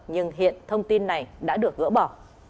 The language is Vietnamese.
nhưng hiện thông tin này đã được gỡ bỏ